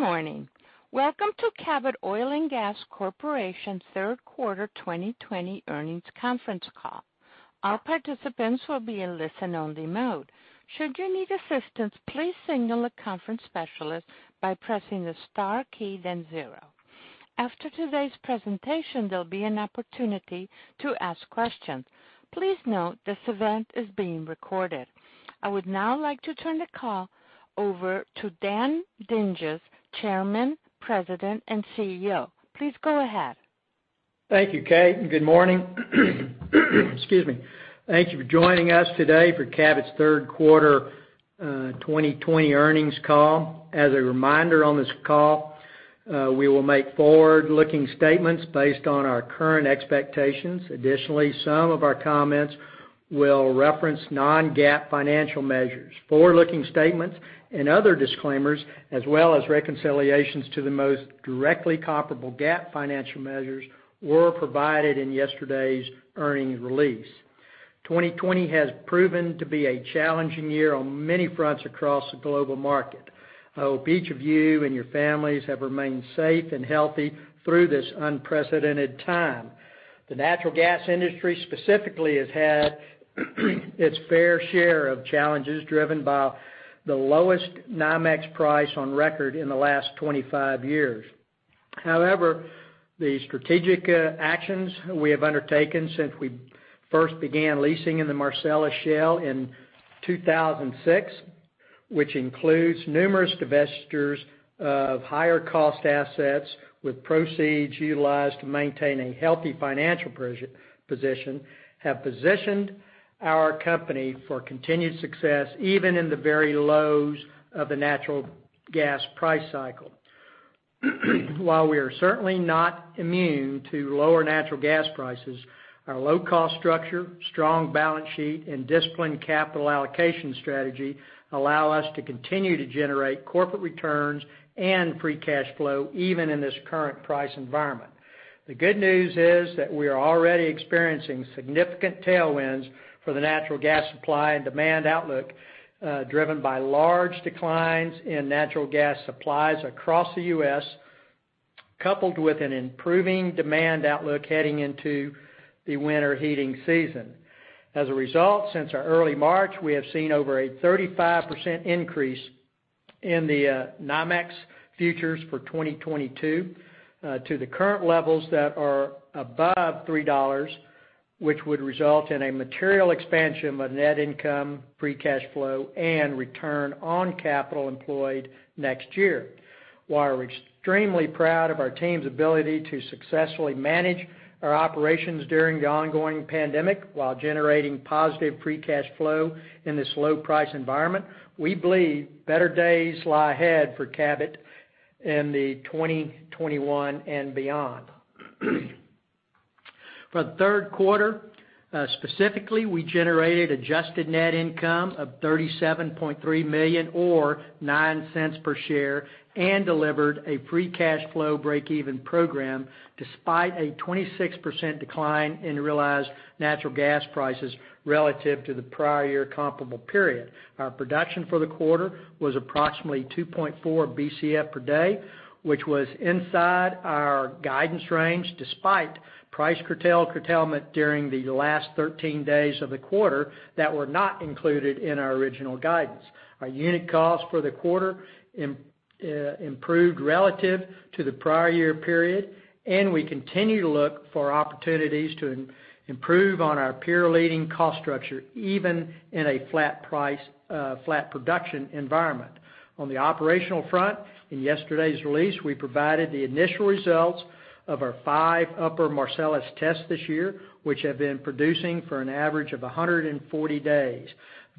Good morning. Welcome to Cabot Oil & Gas Corporation third quarter 2020 earnings conference call. Our participants will be in only listen mode. Should you need assistance please single a conference specialist by pressing star key then 0. After todays conversation, there will be an opportunity to ask questions. Please note this event is being recorded. I would now like to turn the call over to Dan Dinges, Chairman, President, and CEO. Thank you, Kate, and good morning. Excuse me. Thank you for joining us today for Cabot's third quarter 2020 earnings call. As a reminder on this call, we will make forward-looking statements based on our current expectations. Additionally, some of our comments will reference non-GAAP financial measures. Forward-looking statements and other disclaimers, as well as reconciliations to the most directly comparable GAAP financial measures, were provided in yesterday's earnings release. 2020 has proven to be a challenging year on many fronts across the global market. I hope each of you and your families have remained safe and healthy through this unprecedented time. The natural gas industry specifically has had its fair share of challenges, driven by the lowest NYMEX price on record in the last 25 years. However, the strategic actions we have undertaken since we first began leasing in the Marcellus Shale in 2006, which includes numerous divestitures of higher cost assets with proceeds utilized to maintain a healthy financial position, have positioned our company for continued success, even in the very lows of the natural gas price cycle. While we are certainly not immune to lower natural gas prices, our low cost structure, strong balance sheet, and disciplined capital allocation strategy allow us to continue to generate corporate returns and free cash flow even in this current price environment. The good news is that we are already experiencing significant tailwinds for the natural gas supply and demand outlook, driven by large declines in natural gas supplies across the U.S., coupled with an improving demand outlook heading into the winter heating season. As a result, since our early March, we have seen over a 35% increase in the NYMEX futures for 2022 to the current levels that are above $3, which would result in a material expansion of net income, free cash flow, and return on capital employed next year. While we're extremely proud of our team's ability to successfully manage our operations during the ongoing pandemic while generating positive free cash flow in this low price environment, we believe better days lie ahead for Cabot in the 2021 and beyond. For the third quarter, specifically, we generated adjusted net income of $37.3 million or $0.09 per share and delivered a free cash flow breakeven program despite a 26% decline in realized natural gas prices relative to the prior year comparable period. Our production for the quarter was approximately 2.4 Bcf per day, which was inside our guidance range despite price curtailment during the last 13 days of the quarter that were not included in our original guidance. Our unit costs for the quarter improved relative to the prior year period, and we continue to look for opportunities to improve on our peer-leading cost structure, even in a flat production environment. On the operational front, in yesterday's release, we provided the initial results of our five Upper Marcellus tests this year, which have been producing for an average of 140 days.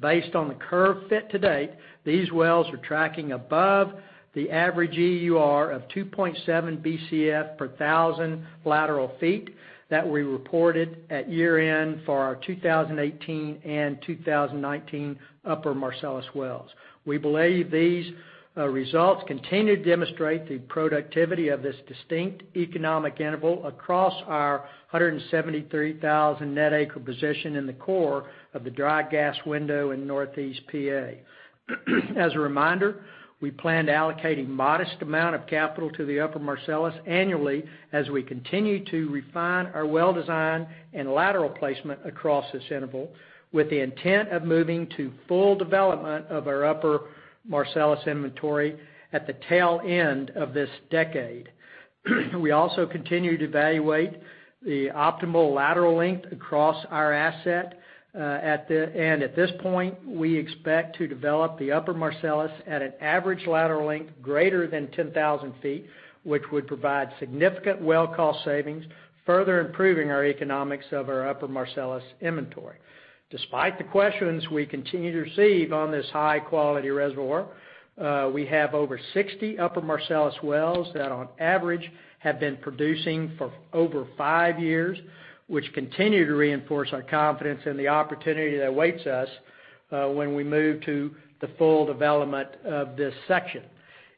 Based on the curve fit to date, these wells are tracking above the average EUR of 2.7 Bcf per thousand lateral feet that we reported at year-end for our 2018 and 2019 Upper Marcellus wells. We believe these results continue to demonstrate the productivity of this distinct economic interval across our 173,000 net acre position in the core of the dry gas window in northeast PA. As a reminder, we plan to allocate a modest amount of capital to the Upper Marcellus annually as we continue to refine our well design and lateral placement across this interval with the intent of moving to full development of our Upper Marcellus inventory at the tail end of this decade. We also continue to evaluate the optimal lateral length across our asset. At this point, we expect to develop the Upper Marcellus at an average lateral length greater than 10,000 ft, which would provide significant well cost savings, further improving our economics of our Upper Marcellus inventory. Despite the questions we continue to receive on this high-quality reservoir, we have over 60 Upper Marcellus wells that on average have been producing for over five years. Which continue to reinforce our confidence in the opportunity that awaits us when we move to the full development of this section.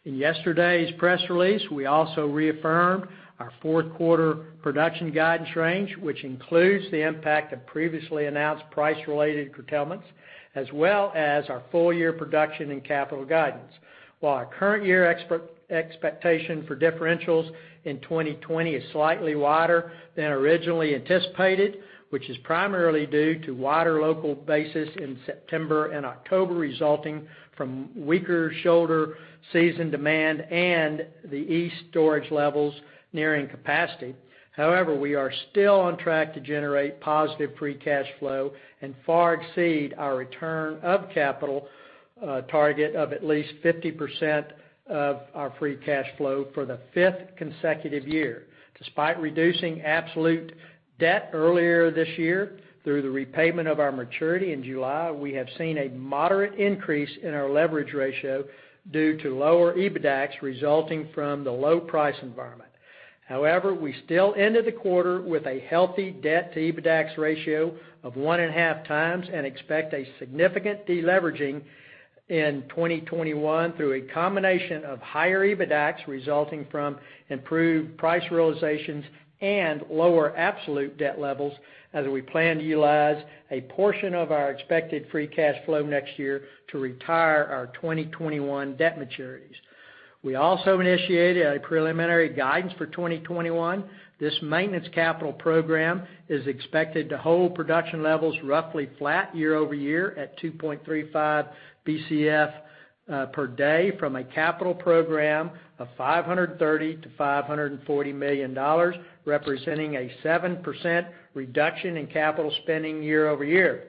In yesterday's press release, we also reaffirmed our fourth quarter production guidance range, which includes the impact of previously announced price-related curtailments, as well as our full-year production and capital guidance. While our current year expectation for differentials in 2020 is slightly wider than originally anticipated, which is primarily due to wider local basis in September and October, resulting from weaker shoulder season demand and the East storage levels nearing capacity. However, we are still on track to generate positive free cash flow and far exceed our return of capital target of at least 50% of our free cash flow for the fifth consecutive year. Despite reducing absolute debt earlier this year through the repayment of our maturity in July, we have seen a moderate increase in our leverage ratio due to lower EBITDAX resulting from the low price environment. However, we still ended the quarter with a healthy debt to EBITDAX ratio of 1.5x and expect a significant de-leveraging in 2021 through a combination of higher EBITDAX resulting from improved price realizations and lower absolute debt levels as we plan to utilize a portion of our expected free cash flow next year to retire our 2021 debt maturities. We also initiated a preliminary guidance for 2021. This maintenance capital program is expected to hold production levels roughly flat year-over-year at 2.35 Bcf per day from a capital program of $530 million-$540 million, representing a 7% reduction in capital spending year-over-year.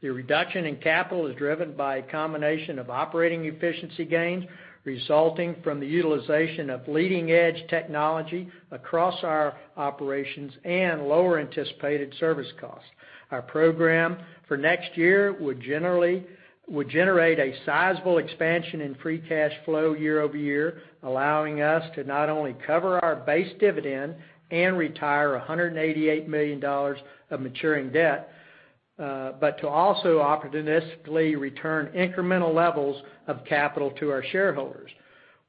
The reduction in capital is driven by a combination of operating efficiency gains resulting from the utilization of leading-edge technology across our operations and lower anticipated service costs. Our program for next year would generate a sizable expansion in free cash flow year-over-year, allowing us to not only cover our base dividend and retire $188 million of maturing debt, but to also opportunistically return incremental levels of capital to our shareholders.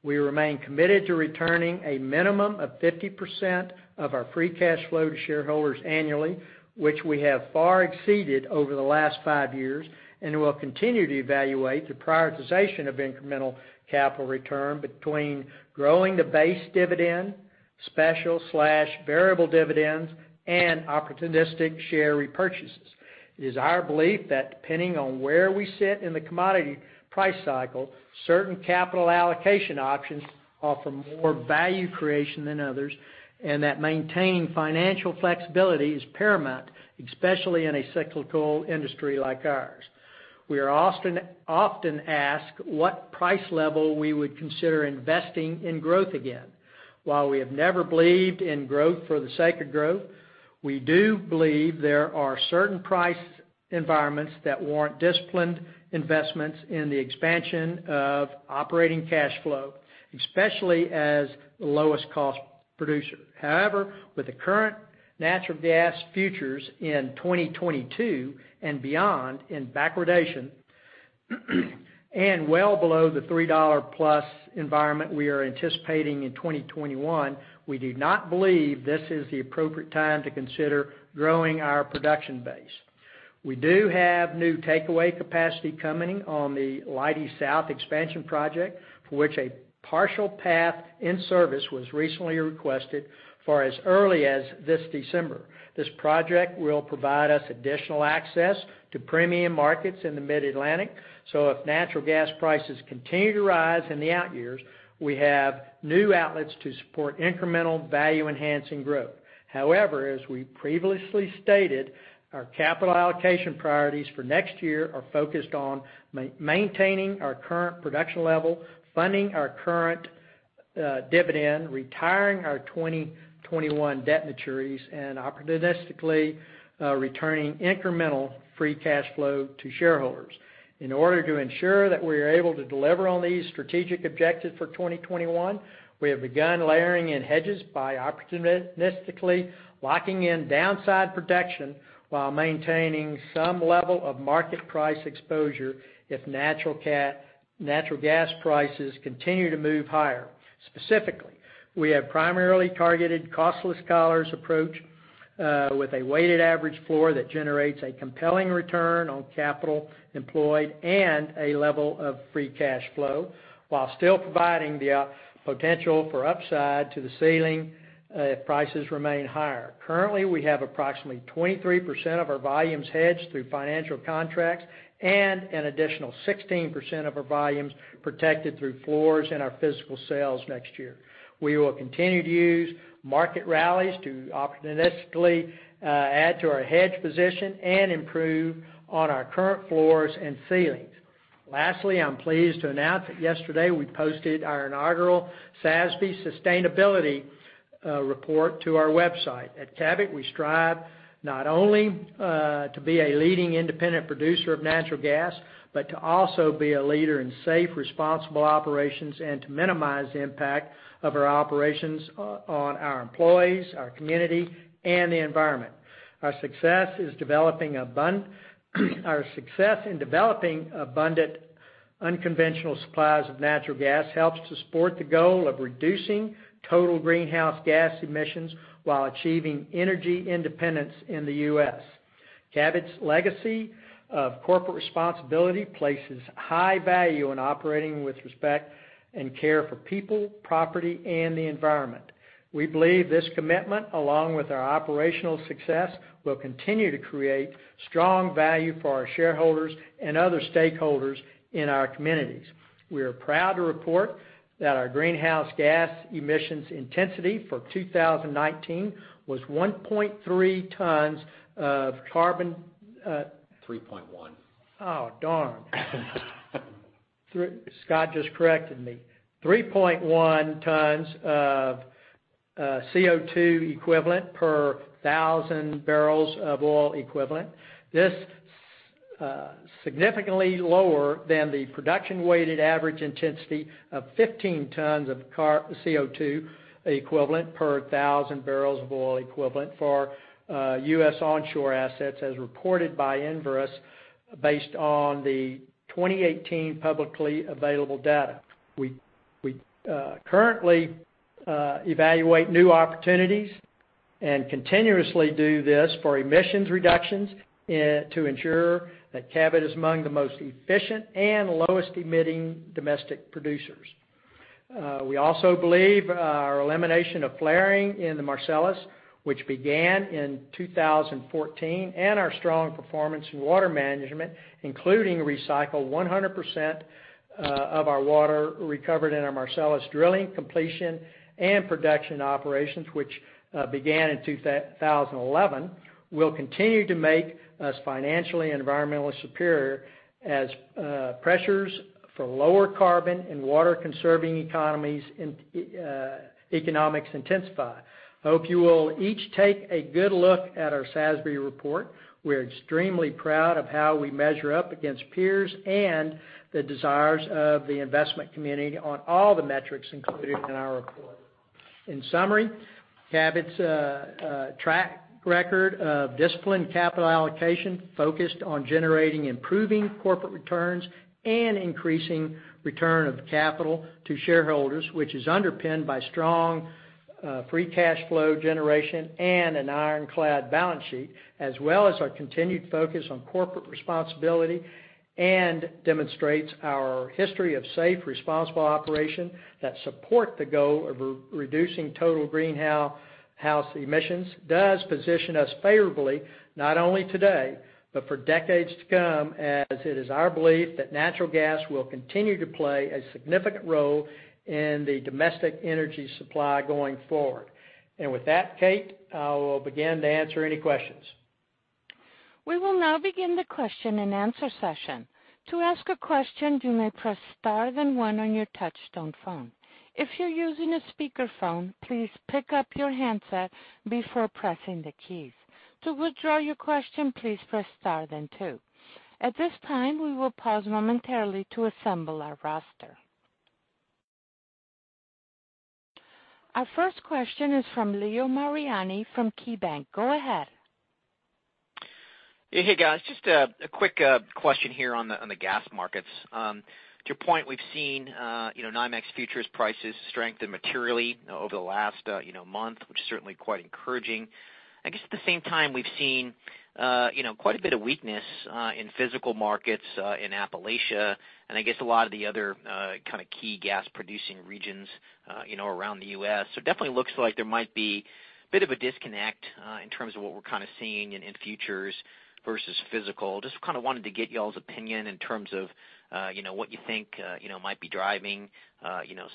We remain committed to returning a minimum of 50% of our free cash flow to shareholders annually, which we have far exceeded over the last five years and will continue to evaluate the prioritization of incremental capital return between growing the base dividend, special/variable dividends, and opportunistic share repurchases. It is our belief that depending on where we sit in the commodity price cycle, certain capital allocation options offer more value creation than others, and that maintaining financial flexibility is paramount, especially in a cyclical industry like ours. We are often asked what price level we would consider investing in growth again. While we have never believed in growth for the sake of growth, we do believe there are certain price environments that warrant disciplined investments in the expansion of operating cash flow, especially as the lowest cost producer. However, with the current natural gas futures in 2022 and beyond in backwardation, and well below the $3+ environment we are anticipating in 2021, we do not believe this is the appropriate time to consider growing our production base. We do have new takeaway capacity coming on the Leidy South expansion project, for which a partial path in service was recently requested for as early as this December. This project will provide us additional access to premium markets in the Mid-Atlantic, so if natural gas prices continue to rise in the out years, we have new outlets to support incremental value-enhancing growth. However, as we previously stated, our capital allocation priorities for next year are focused on maintaining our current production level, funding our current dividend, retiring our 2021 debt maturities, and opportunistically returning incremental free cash flow to shareholders. In order to ensure that we are able to deliver on these strategic objectives for 2021, we have begun layering in hedges by opportunistically locking in downside protection while maintaining some level of market price exposure if natural gas prices continue to move higher. Specifically, we have primarily targeted costless collars approach with a weighted average floor that generates a compelling return on capital employed and a level of free cash flow while still providing the potential for upside to the ceiling if prices remain higher. Currently, we have approximately 23% of our volumes hedged through financial contracts and an additional 16% of our volumes protected through floors in our physical sales next year. We will continue to use market rallies to opportunistically add to our hedge position and improve on our current floors and ceilings. Lastly, I'm pleased to announce that yesterday we posted our inaugural SASB Sustainability Report to our website. At Cabot, we strive not only to be a leading independent producer of natural gas, but to also be a leader in safe, responsible operations and to minimize the impact of our operations on our employees, our community, and the environment. Our success in developing abundant unconventional supplies of natural gas helps to support the goal of reducing total greenhouse gas emissions while achieving energy independence in the U.S. Cabot's legacy of corporate responsibility places high value on operating with respect and care for people, property, and the environment. We believe this commitment, along with our operational success, will continue to create strong value for our shareholders and other stakeholders in our communities. We are proud to report that our greenhouse gas emissions intensity for 2019 was 1.3 tons of carbon- 3.1. Oh, darn. Scott just corrected me. 3.1 tons of CO2 equivalent per 1,000 barrels of oil equivalent. This is significantly lower than the production weighted average intensity of 15 tons of CO2 equivalent per 1,000 barrels of oil equivalent for our U.S. onshore assets as reported by Enverus, based on the 2018 publicly available data. We currently evaluate new opportunities and continuously do this for emissions reductions to ensure that Cabot is among the most efficient and lowest emitting domestic producers. We also believe our elimination of flaring in the Marcellus, which began in 2014, and our strong performance in water management, including recycle 100% of our water recovered in our Marcellus drilling completion and production operations, which began in 2011, will continue to make us financially and environmentally superior as pressures for lower carbon and water conserving economics intensify. I hope you will each take a good look at our SASB report. We're extremely proud of how we measure up against peers and the desires of the investment community on all the metrics included in our report. In summary, Cabot's track record of disciplined capital allocation focused on generating improving corporate returns and increasing return of capital to shareholders, which is underpinned by strong free cash flow generation and an ironclad balance sheet, as well as our continued focus on corporate responsibility, and demonstrates our history of safe, responsible operation that support the goal of reducing total greenhouse emissions, does position us favorably not only today, but for decades to come, as it is our belief that natural gas will continue to play a significant role in the domestic energy supply going forward. With that, Kate, I will begin to answer any questions. We will now begin the question and answer session. To ask a question, you may press star then one on your touch-tone phone. If you're using a speakerphone, please pick up your handset before pressing the keys. To withdraw your question, please press star then two. At this time, we will pause momentarily to assemble our roster. Our first question is from Leo Mariani from KeyBanc Capital Markets. Go ahead. Hey, guys. Just a quick question here on the gas markets. To your point, we've seen NYMEX futures prices strengthen materially over the last month, which is certainly quite encouraging. I guess at the same time, we've seen quite a bit of weakness in physical markets in Appalachia, and I guess a lot of the other key gas producing regions around the U.S. Definitely looks like there might be a bit of a disconnect in terms of what we're seeing in futures versus physical. Just wanted to get y'all's opinion in terms of what you think might be driving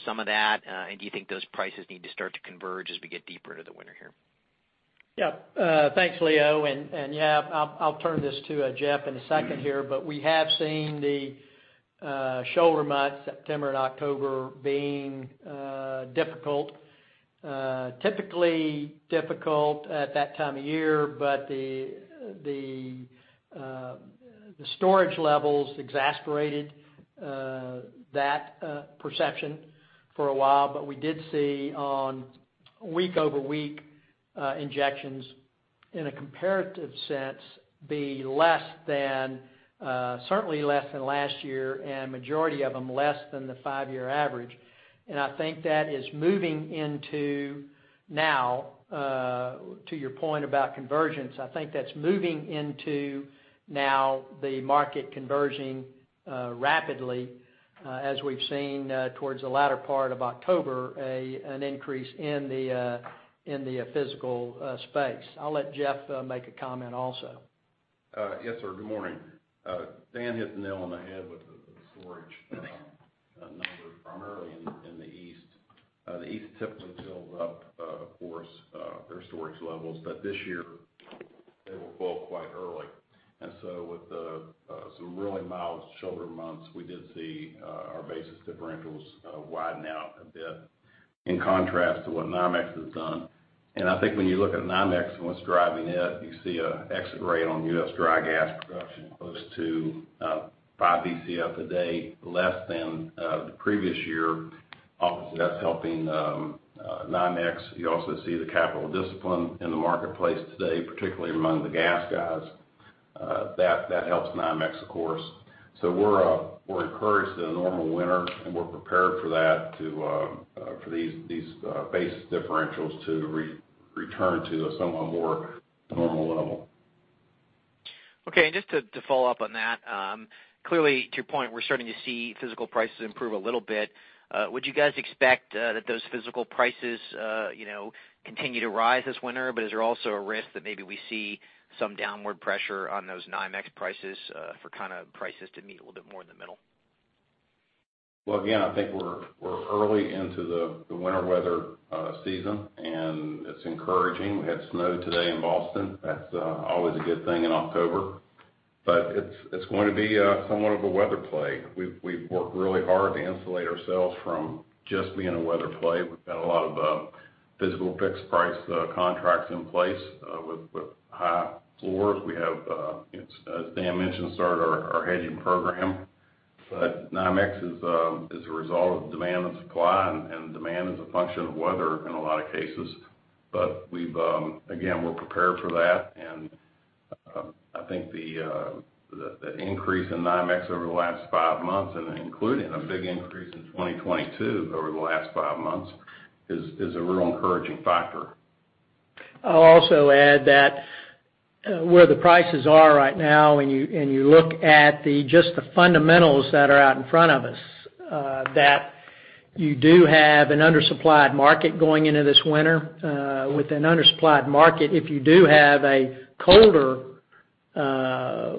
some of that, and do you think those prices need to start to converge as we get deeper into the winter here? Yeah. Thanks, Leo. I'll turn this to Jeff in a second here. We have seen the shoulder months, September and October, being difficult. Typically difficult at that time of year, but the storage levels exacerbated that perception for a while. We did see on week-over-week injections in a comparative sense be certainly less than last year, and majority of them less than the five-year average. I think that is moving into now, to your point about convergence, I think that's moving into now the market converging rapidly as we've seen towards the latter part of October, an increase in the physical space. I'll let Jeff make a comment also. Yes, sir. Good morning. Dan hit the nail on the head with the storage numbers, primarily in the East. The East typically builds up, of course, their storage levels. This year, they were full quite early. With some really mild shoulder months, we did see our basis differentials widen out a bit in contrast to what NYMEX has done. I think when you look at NYMEX and what's driving it, you see an exit rate on U.S. dry gas production close to 5 Bcf a day less than the previous year. Obviously, that's helping NYMEX. You also see the capital discipline in the marketplace today, particularly among the gas guys. That helps NYMEX, of course. We're encouraged at a normal winter, and we're prepared for these basis differentials to return to a somewhat more normal level. Just to follow up on that. Clearly, to your point, we're starting to see physical prices improve a little bit. Would you guys expect that those physical prices continue to rise this winter? Is there also a risk that maybe we see some downward pressure on those NYMEX prices for prices to meet a little bit more in the middle? Well, again, I think we're early into the winter weather season, and it's encouraging. We had snow today in Boston. That's always a good thing in October. It's going to be somewhat of a weather play. We've worked really hard to insulate ourselves from just being a weather play. We've got a lot of physical fixed price contracts in place with high floors. We have, as Dan mentioned, started our hedging program. NYMEX is a result of demand and supply, and demand is a function of weather in a lot of cases. Again, we're prepared for that, and I think the increase in NYMEX over the last five months, and including a big increase in 2022 over the last five months, is a real encouraging factor. I'll also add that where the prices are right now, and you look at just the fundamentals that are out in front of us, that you do have an undersupplied market going into this winter. With an undersupplied market, if you do have a colder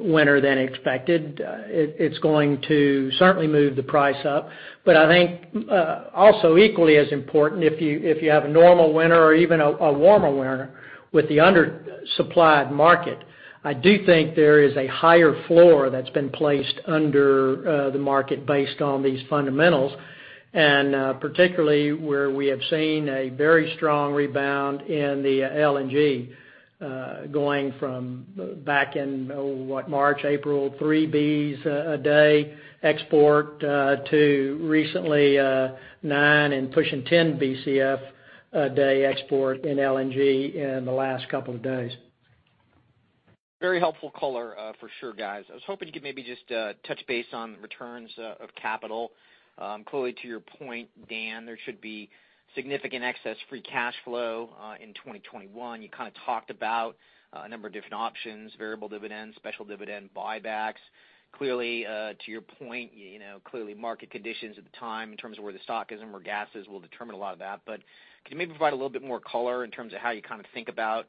winter than expected, it's going to certainly move the price up. I think also equally as important, if you have a normal winter or even a warmer winter with the undersupplied market, I do think there is a higher floor that's been placed under the market based on these fundamentals, and particularly where we have seen a very strong rebound in the LNG. Going from back in, what, March, April, 3 Bcf a day export to recently 9 Bcf and pushing 10 Bcf a day export in LNG in the last couple of days. Very helpful color for sure, guys. I was hoping you could maybe just touch base on returns of capital. Clearly, to your point, Dan, there should be significant excess free cash flow in 2021. You kind of talked about a number of different options, variable dividends, special dividend buybacks. Clearly, to your point, market conditions at the time in terms of where the stock is and where gas is will determine a lot of that. Could you maybe provide a little bit more color in terms of how you kind of think about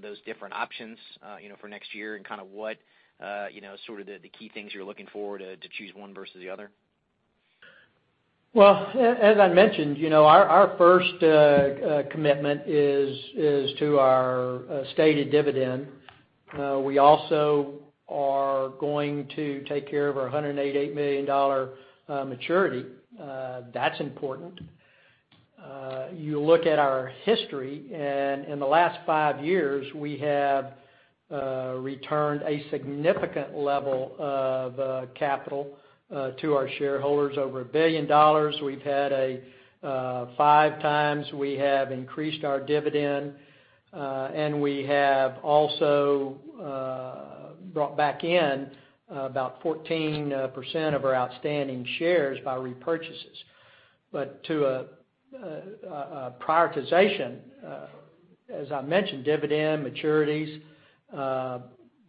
those different options for next year and kind of what sort of the key things you're looking for to choose one versus the other? Well, as I mentioned, our first commitment is to our stated dividend. We also are going to take care of our $188 million maturity. That's important. You look at our history, and in the last five years, we have returned a significant level of capital to our shareholders, over $1 billion. We had 5x, we have increased our dividend, and we have also brought back in about 14% of our outstanding shares by repurchases. To a prioritization, as I mentioned, dividend, maturities,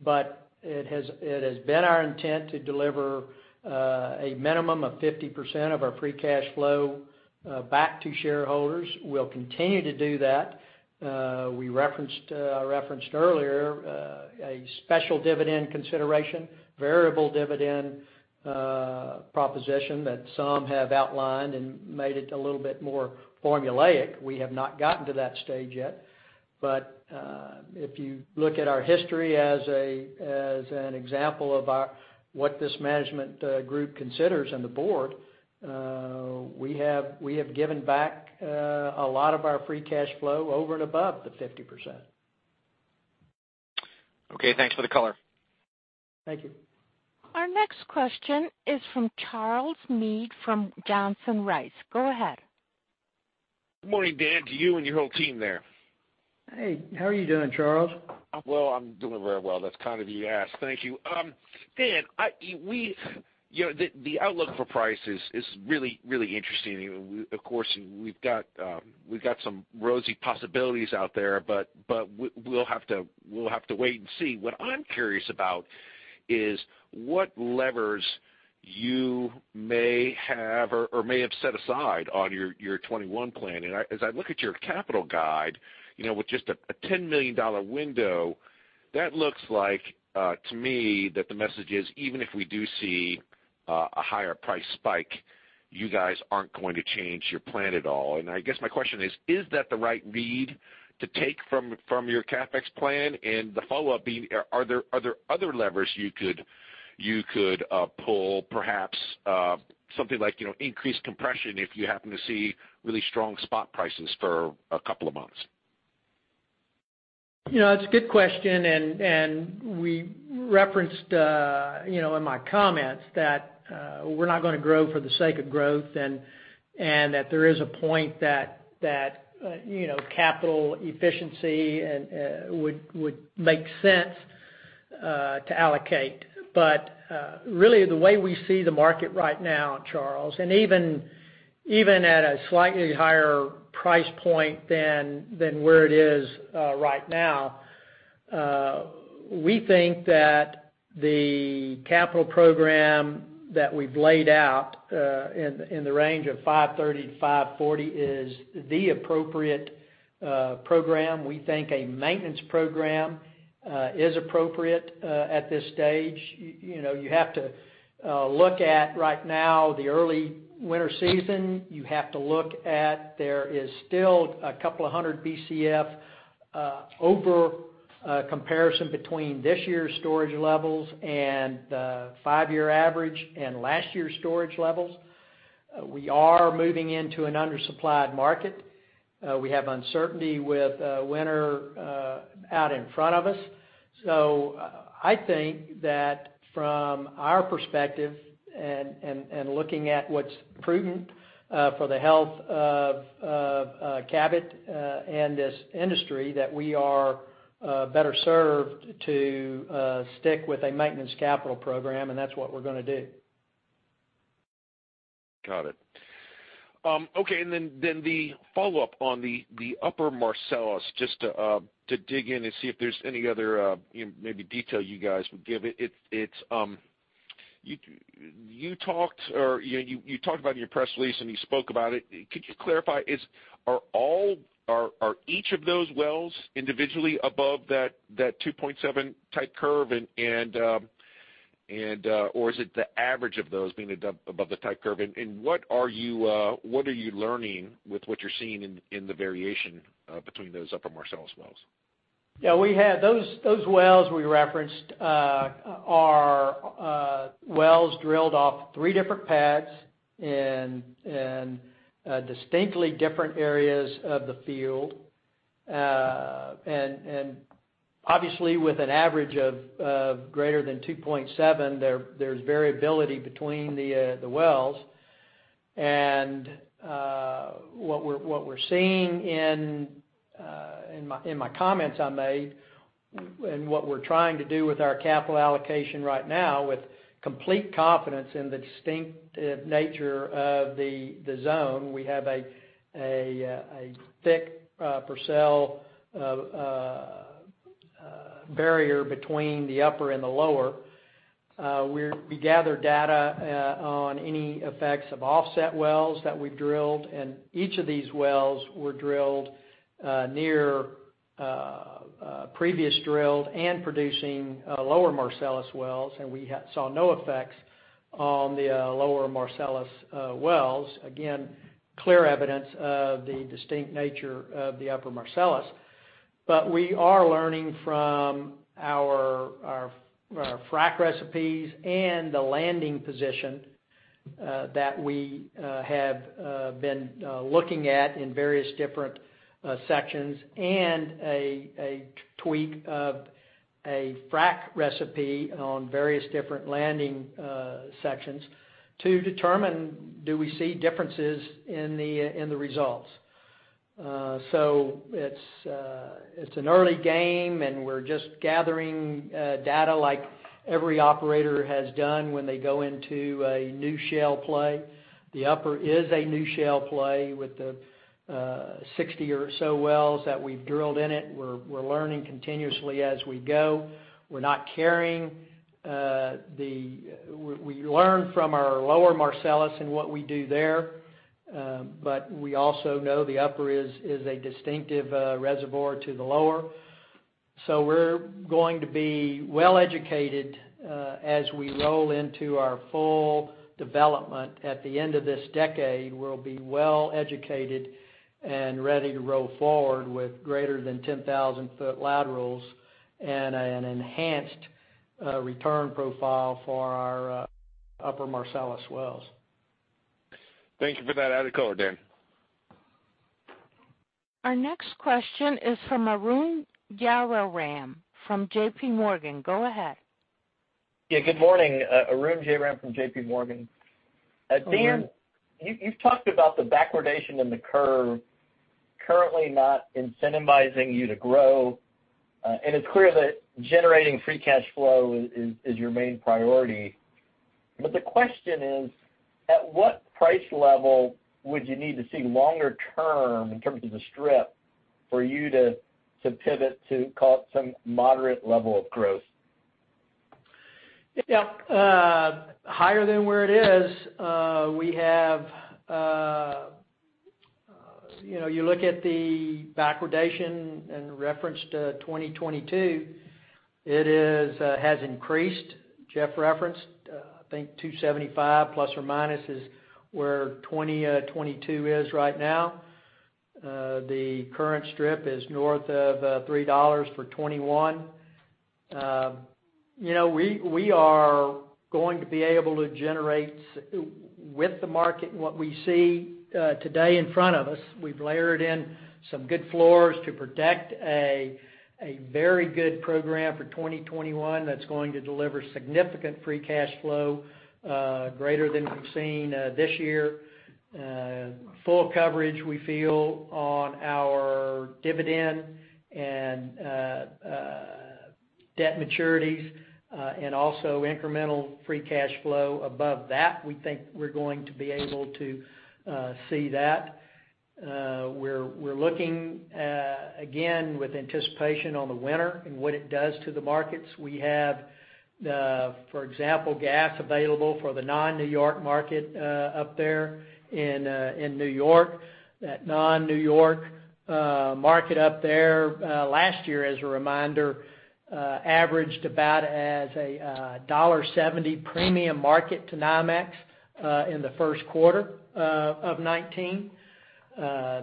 but it has been our intent to deliver a minimum of 50% of our free cash flow back to shareholders. We'll continue to do that. We referenced earlier a special dividend consideration, variable dividend proposition that some have outlined and made it a little bit more formulaic. We have not gotten to that stage yet. If you look at our history as an example of what this management group considers on the board, we have given back a lot of our free cash flow over and above the 50%. Okay, thanks for the color. Thank you. Our next question is from Charles Meade from Johnson Rice. Go ahead. Good morning, Dan, to you and your whole team there. Hey, how are you doing, Charles? Well, I'm doing very well. That's kind of you to ask. Thank you. Dan, the outlook for prices is really interesting. Of course, we've got some rosy possibilities out there, but we'll have to wait and see. What I'm curious about is what levers you may have or may have set aside on your 2021 plan. As I look at your capital guide with just a $10 million window, that looks like to me that the message is even if we do see a higher price spike, you guys aren't going to change your plan at all. I guess my question is that the right read to take from your CapEx plan? The follow-up being, are there other levers you could pull, perhaps something like increased compression if you happen to see really strong spot prices for a couple of months? It's a good question, and we referenced in my comments that we're not going to grow for the sake of growth, and that there is a point that capital efficiency would make sense to allocate. Really, the way we see the market right now, Charles, and even at a slightly higher price point than where it is right now, we think that the capital program that we've laid out, in the range of $530 to $540, is the appropriate program. We think a maintenance program is appropriate at this stage. You have to look at right now, the early winter season. You have to look at there is still a couple of 100 Bcf over comparison between this year's storage levels and the five-year average and last year's storage levels. We are moving into an undersupplied market. We have uncertainty with winter out in front of us. I think that from our perspective and looking at what's prudent for the health of Cabot and this industry, that we are better served to stick with a maintenance capital program, and that's what we're going to do. Got it. Okay, the follow-up on the Upper Marcellus, just to dig in and see if there's any other maybe detail you guys would give? You talked about in your press release, and you spoke about it. Could you clarify, are each of those wells individually above that 2.7 type curve, or is it the average of those being above the type curve? What are you learning with what you're seeing in the variation between those Upper Marcellus wells? Yeah. Those wells we referenced are wells drilled off three different pads in distinctly different areas of the field. Obviously, with an average of greater than 2.7, there's variability between the wells. What we're seeing in my comments I made, and what we're trying to do with our capital allocation right now with complete confidence in the distinct nature of the zone, we have a thick Purcell barrier between the upper and the lower. We gather data on any effects of offset wells that we've drilled, and each of these wells were drilled near previous drilled and producing Lower Marcellus wells, and we saw no effects on the Lower Marcellus wells. Again, clear evidence of the distinct nature of the Upper Marcellus. We are learning from our frack recipes and the landing position that we have been looking at in various different sections and a tweak of a frack recipe on various different landing sections to determine, do we see differences in the results? It's an early game, and we're just gathering data like every operator has done when they go into a new shale play. The Upper is a new shale play with the 60 or so wells that we've drilled in it. We're learning continuously as we go. We learn from our Lower Marcellus and what we do there. We also know the Upper is a distinctive reservoir to the Lower. We're going to be well-educated as we roll into our full development at the end of this decade. We'll be well-educated and ready to roll forward with greater than 10,000-ft laterals and an enhanced return profile for our Upper Marcellus wells. Thank you for that added color, Dan. Our next question is from Arun Jayaram from JPMorgan. Go ahead. Yeah. Good morning. Arun Jayaram from JPMorgan. Arun. Dan, you've talked about the backwardation in the curve currently not incentivizing you to grow. It's clear that generating free cash flow is your main priority. The question is, at what price level would you need to see longer term in terms of the strip for you to pivot to some moderate level of growth? Yeah. Higher than where it is. You look at the backwardation in reference to 2022, it has increased. Jeff referenced, I think 275± is where 2022 is right now. The current strip is north of $3 for 2021. We are going to be able to generate with the market, what we see today in front of us. We've layered in some good floors to protect a very good program for 2021 that's going to deliver significant free cash flow, greater than we've seen this year. Full coverage, we feel, on our dividend and debt maturities, and also incremental free cash flow above that. We think we're going to be able to see that. We're looking, again, with anticipation on the winter and what it does to the markets. We have, for example, gas available for the non-New York market up there in New York. That non-New York market up there last year, as a reminder, averaged about as a $1.70 premium market to NYMEX in the first quarter of 2019.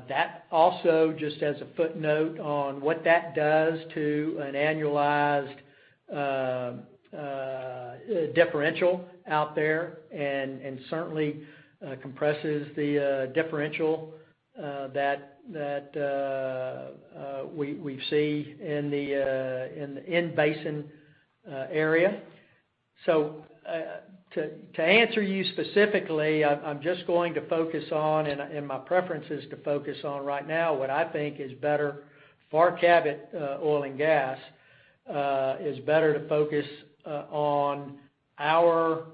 That also, just as a footnote on what that does to an annualized differential out there, and certainly compresses the differential that we see in the in-basin area. To answer you specifically, I'm just going to focus on, and my preference is to focus on right now what I think is better for Cabot Oil & Gas, is better to focus on our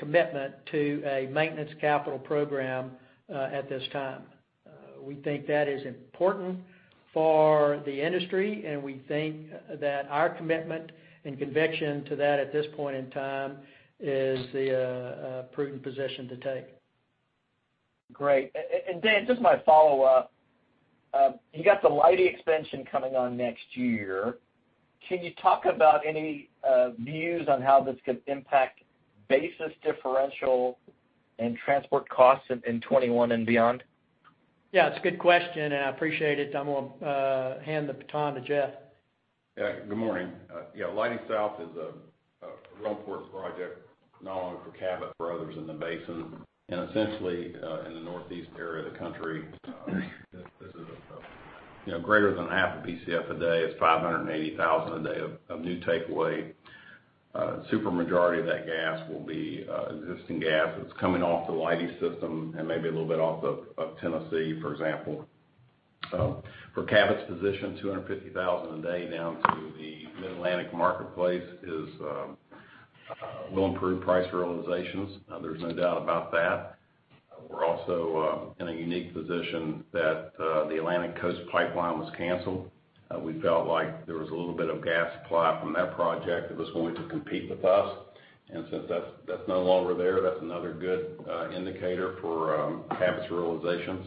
commitment to a maintenance capital program at this time. We think that is important for the industry, and we think that our commitment and conviction to that at this point in time is the prudent position to take. Great. Dan, just my follow-up. You got the Leidy expansion coming on next year. Can you talk about any views on how this could impact basis differential and transport costs in 2021 and beyond? Yeah, it's a good question, and I appreciate it. I'm going to hand the baton to Jeff. Yeah. Good morning. Yeah, Leidy South is a real important project not only for Cabot, for others in the basin. Essentially, in the Northeast area of the country, this is a greater than half a Bcf a day. It's 580,000 a day of new takeaway. Supermajority of that gas will be existing gas that's coming off the Leidy system and maybe a little bit off of Tennessee, for example. For Cabot's position, 250,000 a day down to the Mid-Atlantic marketplace will improve price realizations. There's no doubt about that. We're also in a unique position that the Atlantic Coast Pipeline was canceled. We felt like there was a little bit of gas supply from that project that was going to compete with us. Since that's no longer there, that's another good indicator for Cabot's realizations.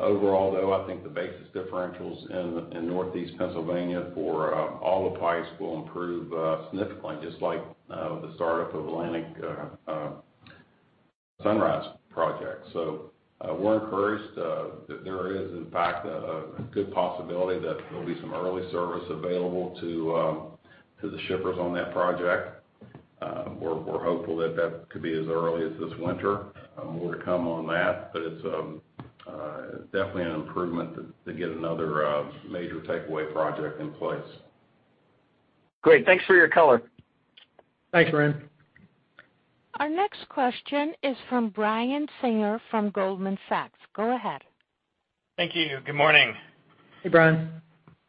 Overall, though, I think the basis differentials in Northeast Pennsylvania for all the pipes will improve significantly, just like the startup of Atlantic Sunrise project. We're encouraged that there is, in fact, a good possibility that there'll be some early service available to the shippers on that project. We're hopeful that that could be as early as this winter. More to come on that. It's definitely an improvement to get another major takeaway project in place. Great. Thanks for your color. Thanks, Arun. Our next question is from Brian Singer from Goldman Sachs. Go ahead. Thank you. Good morning. Hey,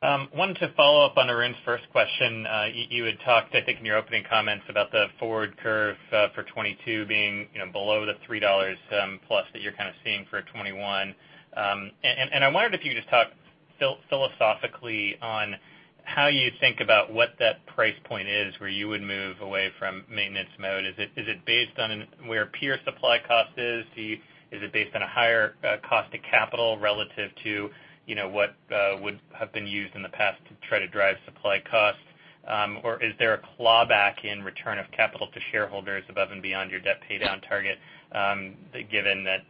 Brian. Wanted to follow up on Arun's first question. You had talked, I think, in your opening comments about the forward curve for 2022 being below the $3+ that you're kind of seeing for 2021. I wondered if you could just talk philosophically on how you think about what that price point is where you would move away from maintenance mode. Is it based on where peer supply cost is? Is it based on a higher cost of capital relative to what would have been used in the past to try to drive supply costs? Is there a clawback in return of capital to shareholders above and beyond your debt paydown target, given that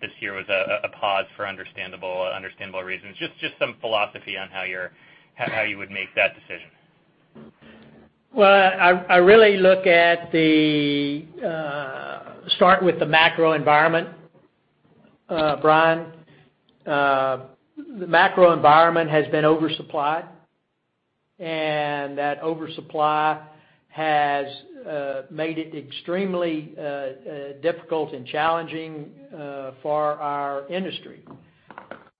this year was a pause for understandable reasons? Just some philosophy on how you would make that decision. Well, I really Start with the macro environment, Brian. The macro environment has been oversupplied, and that oversupply has made it extremely difficult and challenging for our industry.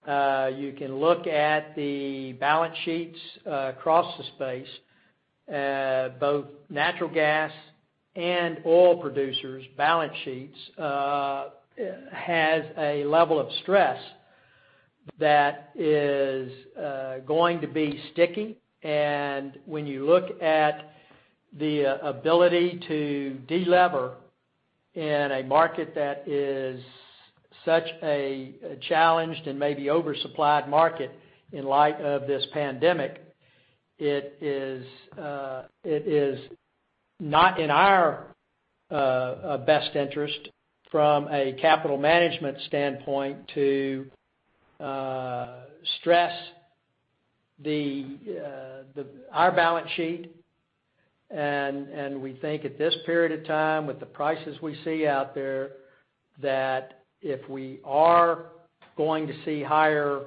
You can look at the balance sheets across the space. Both natural gas and oil producers' balance sheets has a level of stress that is going to be sticky. When you look at the ability to de-lever in a market that is such a challenged and maybe oversupplied market in light of this pandemic, it is not in our best interest from a capital management standpoint to stress our balance sheet. We think at this period of time, with the prices we see out there, that if we are going to see higher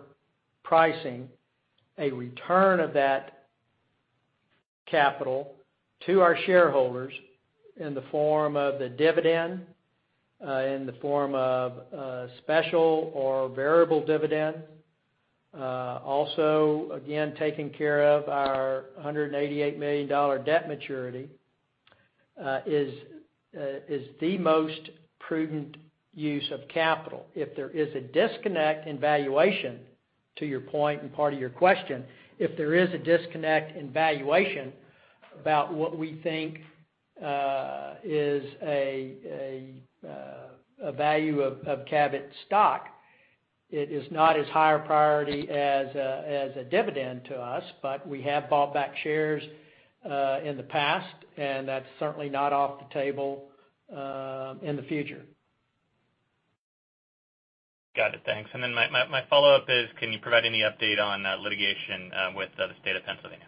pricing, a return of that capital to our shareholders in the form of the dividend, in the form of special or variable dividend. Again, taking care of our $188 million debt maturity is the most prudent use of capital. To your point and part of your question, if there is a disconnect in valuation about what we think is a value of Cabot stock, it is not as high a priority as a dividend to us. We have bought back shares in the past. That's certainly not off the table in the future. Got it. Thanks. My follow-up is, can you provide any update on litigation with the state of Pennsylvania?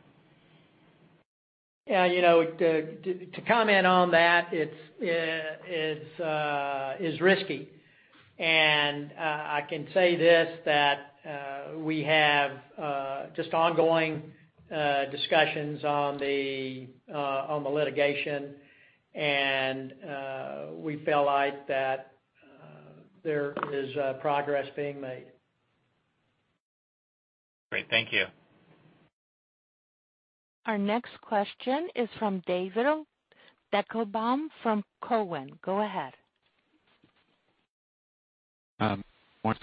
Yeah. To comment on that, it's risky. I can say this, that we have just ongoing discussions on the litigation, and we feel like that there is progress being made. Great. Thank you. Our next question is from David Deckelbaum from Cowen. Go ahead. Morning,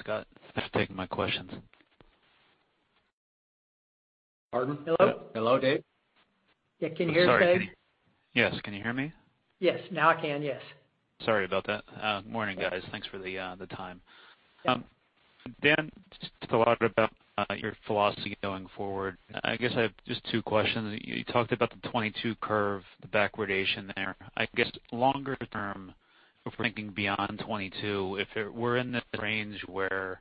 Scott. Thanks for taking my questions. Pardon? Hello? Hello, Dave. Yeah, can you hear us, Dave? Yes. Can you hear me? Yes. Now I can, yes. Sorry about that. Morning, guys. Thanks for the time. Dan, just talked a lot about your philosophy going forward. I guess I have just two questions. You talked about the 2022 curve, the backwardation there. I guess, longer term, if we're thinking beyond 2022, if we're in this range where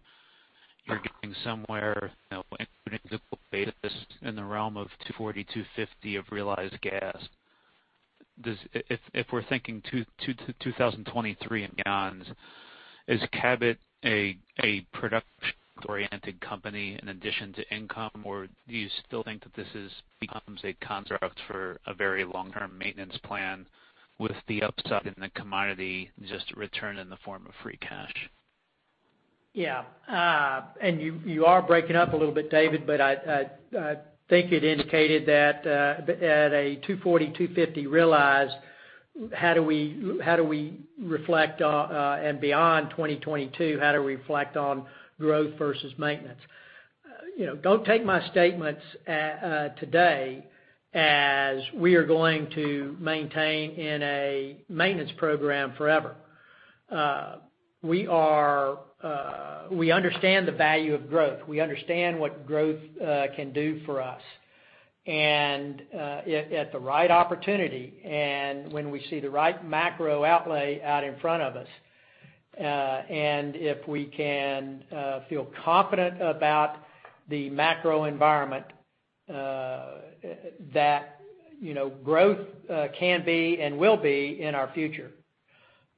you're getting somewhere, on a typical basis, in the realm of $2.40, $2.50 of realized gas. If we're thinking 2023 and beyond, is Cabot a production-oriented company in addition to income, or do you still think that this becomes a construct for a very long-term maintenance plan with the uptick in the commodity, just return in the form of free cash? Yeah. You are breaking up a little bit, David, but I think it indicated that at a $2.40, $2.50 realized, and beyond 2022, how do we reflect on growth versus maintenance? Don't take my statements today as we are going to maintain in a maintenance program forever. We understand the value of growth. We understand what growth can do for us. If at the right opportunity, and when we see the right macro outlay out in front of us, and if we can feel confident about the macro environment, that growth can be and will be in our future.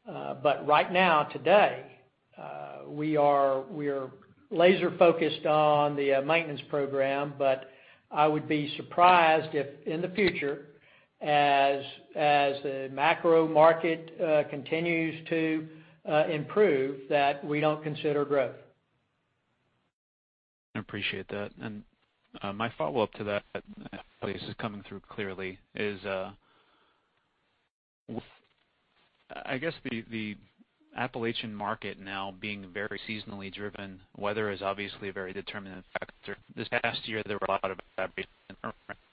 Right now, today, we are laser focused on the maintenance program. I would be surprised if in the future, as the macro market continues to improve, that we don't consider growth. I appreciate that. My follow-up to that, hopefully this is coming through clearly, is I guess the Appalachian market now being very seasonally driven, weather is obviously a very determinant factor. This past year, there were a lot of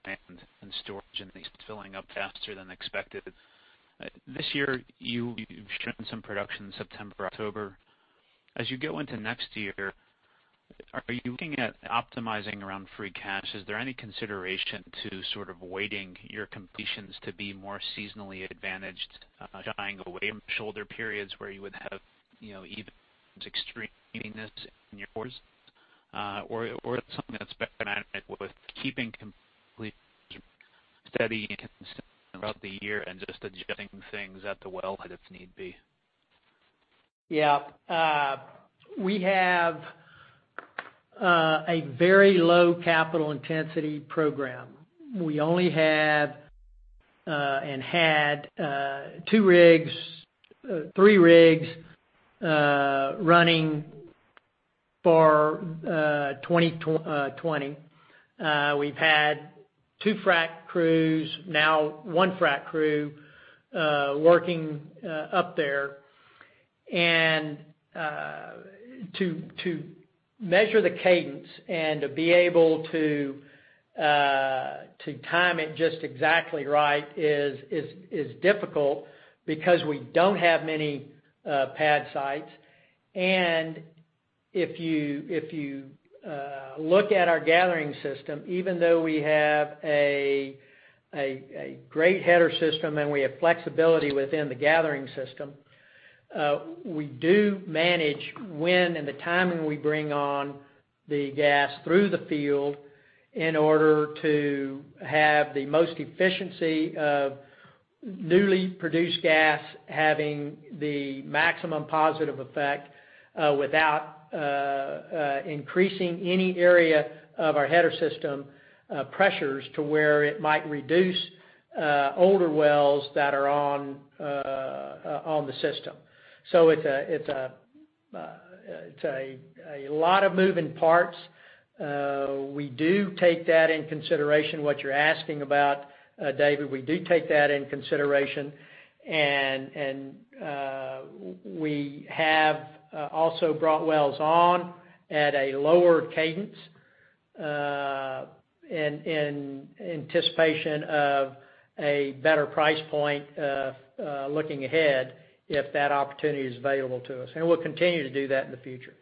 [and storage and these] filling up faster than expected. This year, you've shut-in some production September, October. As you go into next year, are you looking at optimizing around free cash? Is there any consideration to sort of waiting your completions to be more seasonally advantaged, shying away from shoulder periods where you would have either extremes in your[fours?] Is it something that's better with keeping [complete], steady and consistent throughout the year and just adjusting things at the wellhead if need be? We have a very low capital intensity program. We only have, and had three rigs running for 2020. We've had two frack crews, now one frack crew, working up there. To measure the cadence and to be able to time it just exactly right is difficult because we don't have many pad sites. If you look at our gathering system, even though we have a great header system and we have flexibility within the gathering system, we do manage when and the timing we bring on the gas through the field in order to have the most efficiency of newly produced gas, having the maximum positive effect without increasing any area of our header system pressures to where it might reduce older wells that are on the system. It's a lot of moving parts. We do take that into consideration, what you're asking about, David. We do take that into consideration, and we have also brought wells on at a lower cadence in anticipation of a better price point looking ahead, if that opportunity is available to us. We'll continue to do that in the future.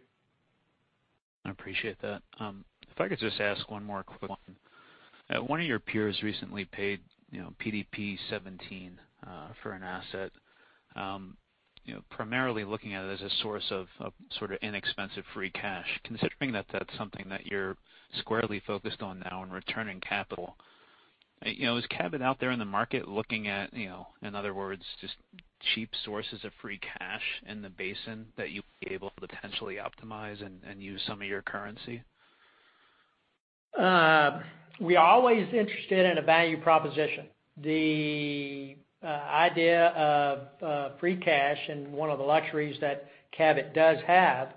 I appreciate that. If I could just ask one more quick one. One of your peers recently paid PDP 17 for an asset, primarily looking at it as a source of inexpensive free cash. Considering that that's something that you're squarely focused on now in returning capital, is Cabot out there in the market looking at, in other words, just cheap sources of free cash in the basin that you'll be able to potentially optimize and use some of your currency? We're always interested in a value proposition. The idea of free cash, and one of the luxuries that Cabot does have,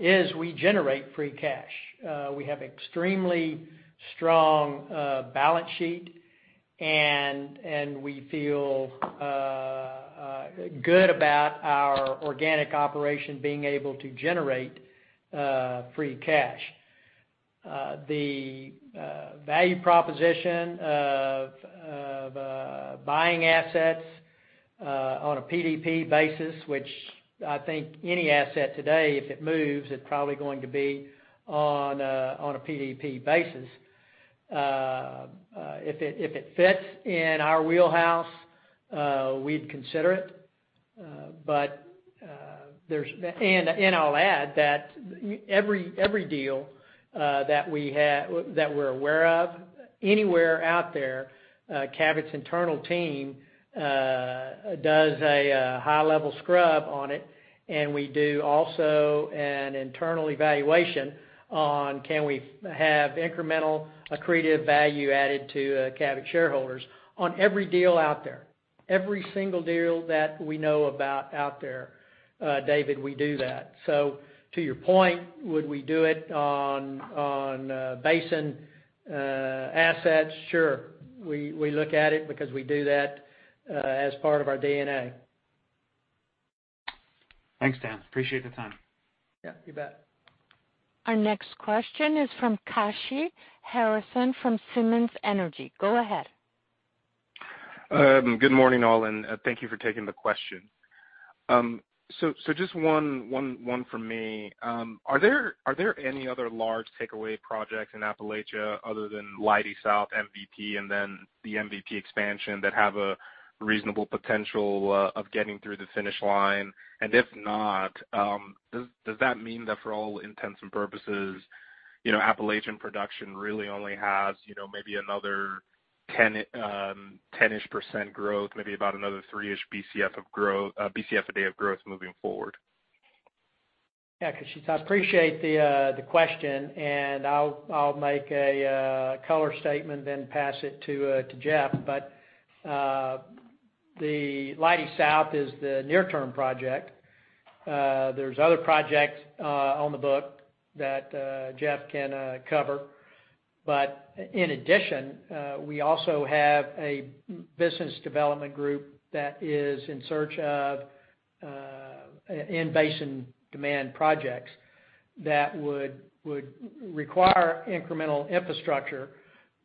is we generate free cash. We have extremely strong balance sheet, and we feel good about our organic operation being able to generate free cash. The value proposition of buying assets on a PDP basis, which I think any asset today, if it moves, it's probably going to be on a PDP basis. If it fits in our wheelhouse, we'd consider it. I'll add that every deal that we're aware of anywhere out there, Cabot's internal team does a high-level scrub on it, and we do also an internal evaluation on can we have incremental accretive value added to Cabot shareholders on every deal out there. Every single deal that we know about out there, David, we do that. To your point, would we do it on basin assets? Sure. We look at it because we do that as part of our DNA. Thanks, Dan. Appreciate the time. Yeah, you bet. Our next question is from Kashy Harrison from Simmons Energy. Go ahead. Good morning, all. Thank you for taking the question. Just one from me. Are there any other large takeaway projects in Appalachia other than Leidy South MVP and then the MVP expansion that have a reasonable potential of getting through the finish line? If not, does that mean that for all intents and purposes, Appalachian production really only has maybe another 10-ish% growth, maybe about another 3-ish Bcf a day of growth moving forward? Yeah, Kashy. I appreciate the question, and I'll make a color statement then pass it to Jeff. The Leidy South is the near-term project. There's other projects on the book that Jeff can cover. In addition, we also have a business development group that is in search of in-basin demand projects that would require incremental infrastructure,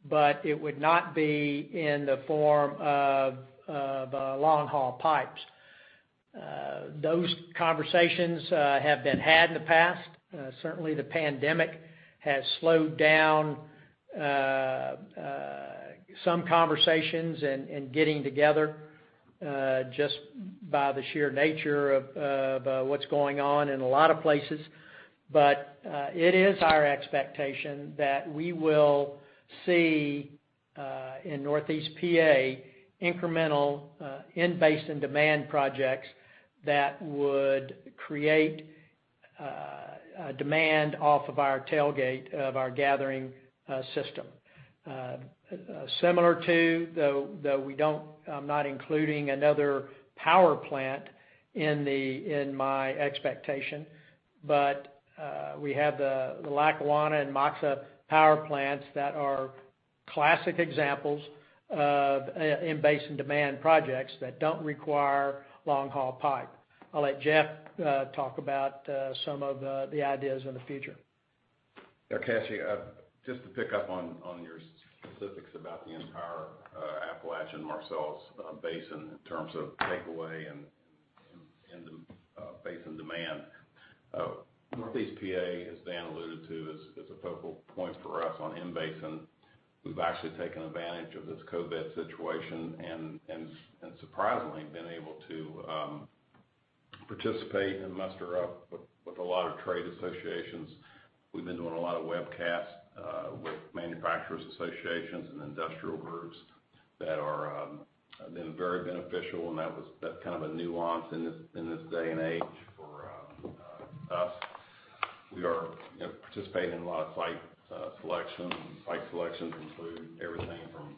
but it would not be in the form of long-haul pipes. Those conversations have been had in the past. Certainly, the pandemic has slowed down some conversations and getting together just by the sheer nature of what's going on in a lot of places. It is our expectation that we will see, in Northeast PA, incremental in-basin demand projects that would create demand off of our tailgate of our gathering system. Similar to, though I'm not including another power plant in my expectation, but we have the Lackawanna and Moxie power plants that are classic examples of in-basin demand projects that don't require long-haul pipe. I'll let Jeff talk about some of the ideas in the future. Yeah, Kashy, just to pick up on your specifics about the entire Appalachian Marcellus Basin in terms of takeaway and basin demand. Northeast PA, as Dan alluded to, is a focal point for us on in-basin. We've actually taken advantage of this COVID situation and surprisingly been able to participate and muster up with a lot of trade associations. We've been doing a lot of webcasts with manufacturers associations and industrial groups that have been very beneficial. That's kind of a nuance in this day and age for us. We are participating in a lot of site selection. Site selections include everything from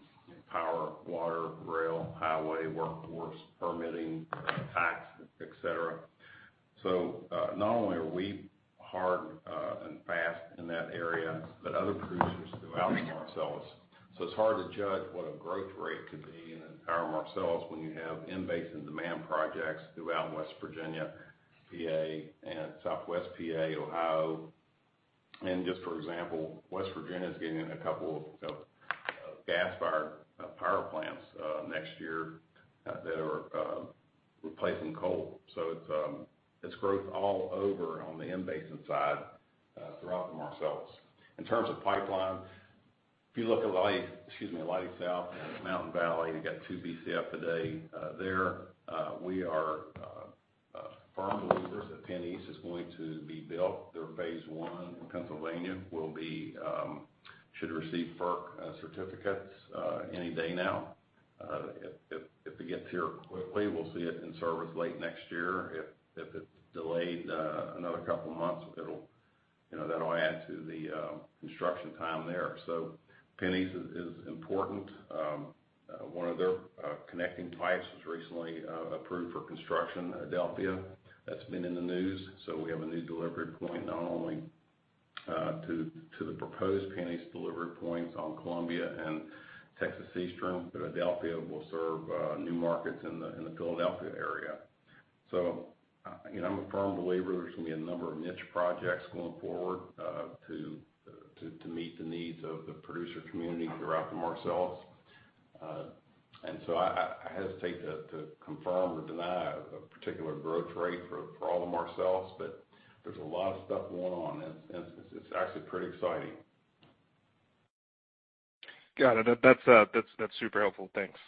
power, water, rail, highway, workforce, permitting, tax, et cetera. Not only are we hard and fast in that area, but other producers throughout the Marcellus. It's hard to judge what a growth rate could be in the entire Marcellus when you have in-basin demand projects throughout West Virginia, PA, and Southwest PA, Ohio. Just for example, West Virginia's getting a couple of gas-fired power plants next year that are replacing coal. It's growth all over on the in-basin side throughout the Marcellus. In terms of pipeline, if you look at Leidy South and Mountain Valley, you got 2 Bcf a day there. We are firm believers that PennEast is going to be built. Their phase I in Pennsylvania should receive FERC certificates any day now. If it gets here quickly, we'll see it in service late next year. If it's delayed another couple of months, that'll add to the construction time there. PennEast is important. One of their connecting pipes was recently approved for construction, Adelphia. That's been in the news. We have a new delivery point, not only to the proposed PennEast delivery points on Columbia and Texas Eastern, but Adelphia will serve new markets in the Philadelphia area. I'm a firm believer there's going to be a number of niche projects going forward to meet the needs of the producer community throughout the Marcellus. I hesitate to confirm or deny a particular growth rate for all the Marcellus, but there's a lot of stuff going on, and it's actually pretty exciting. Got it. That's super helpful. Thanks.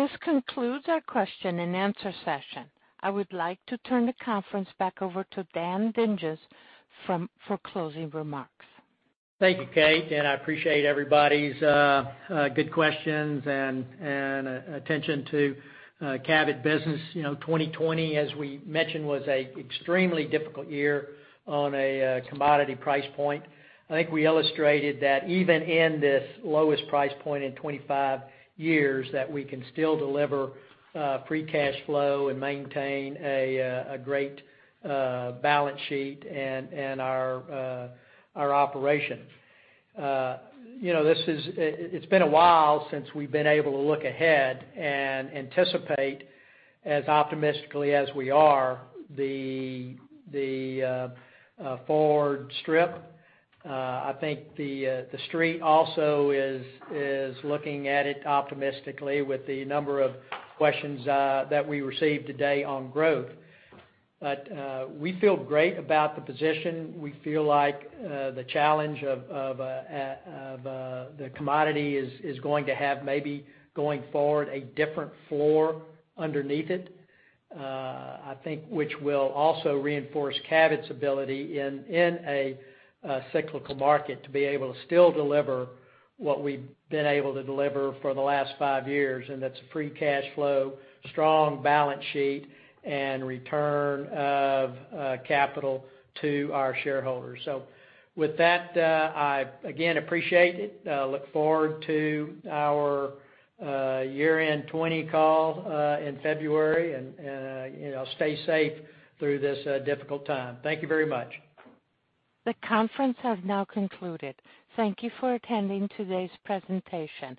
This concludes our question and answer session. I would like to turn the conference back over to Dan Dinges for closing remarks. Thank you, Kate, and I appreciate everybody's good questions and attention to Cabot business. 2020, as we mentioned, was an extremely difficult year on a commodity price point. I think we illustrated that even in this lowest price point in 25 years, that we can still deliver free cash flow and maintain a great balance sheet in our operations. It's been a while since we've been able to look ahead and anticipate as optimistically as we are the forward strip. I think the street also is looking at it optimistically with the number of questions that we received today on growth. We feel great about the position. We feel like the challenge of the commodity is going to have, maybe going forward, a different floor underneath it. I think which will also reinforce Cabot's ability in a cyclical market to be able to still deliver what we've been able to deliver for the last five years, and that's free cash flow, strong balance sheet, and return of capital to our shareholders. With that, I again appreciate it. Look forward to our year-end 2020 call in February, and stay safe through this difficult time. Thank you very much. The conference has now concluded. Thank you for attending today's presentation.